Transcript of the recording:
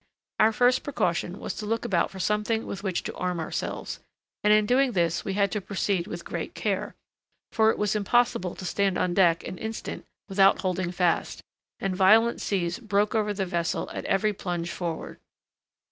Our first precaution was to look about for something with which to arm ourselves, and in doing this we had to proceed with great care, for it was impossible to stand on deck an instant without holding fast, and violent seas broke over the vessel at every plunge forward.